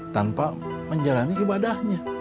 tanpa menjalani ibadahnya